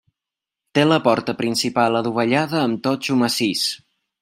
Té la porta principal adovellada amb totxo massís.